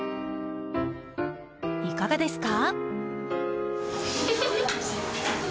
いかがですか？